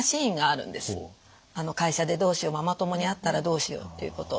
あの「会社でどうしよう」「ママ友に会ったらどうしよう」っていうこと。